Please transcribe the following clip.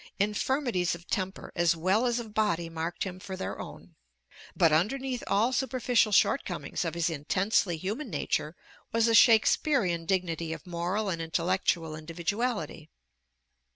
Infirmities of temper as well as of body marked him for their own. But underneath all superficial shortcomings of his intensely human nature was a Shakespearean dignity of moral and intellectual individuality.